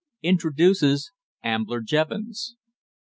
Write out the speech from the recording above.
INTRODUCES AMBLER JEVONS.